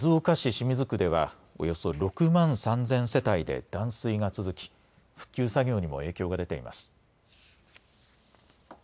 記録的な大雨の影響で静岡市清水区ではおよそ６万３０００世帯で断水が続き復旧作業にも影響が出ています。